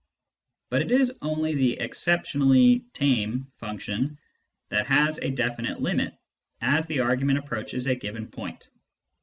But it is only the exceptionally " tame " function that has a definite limit as the argument approaches a given point.